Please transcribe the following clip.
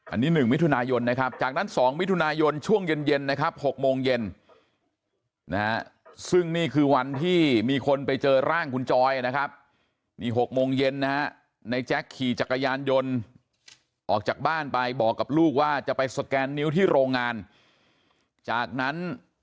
อันนี้๑มิถุนายนนะครับจากนั้น๒มิถุนายนช่วงเย็นเย็นนะครับ๖โมงเย็นนะฮะซึ่งนี่คือวันที่มีคนไปเจอร่างคุณจอยนะครับนี่๖โมงเย็นนะฮะในแจ๊คขี่จักรยานยนต์ออกจากบ้านไปบอกกับลูกว่าจะไปสแกนนิ้วที่โรงงานจากนั้น